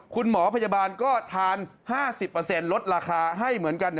คุณหมอพยาบาลก็ทาน๕๐ลดราคาให้เหมือนกัน